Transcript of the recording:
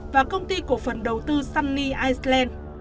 và công ty cổ phần đầu tư sunny iceland